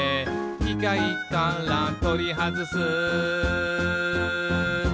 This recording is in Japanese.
「きかいからとりはずす」